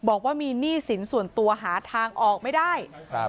บอกว่ามีหนี้สินส่วนตัวหาทางออกไม่ได้ครับ